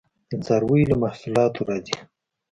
د څارویو له محصولاتو راځي